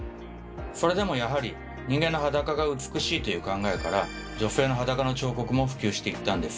それでもやはり人間の裸が美しいという考えから女性の裸の彫刻も普及してきたんです。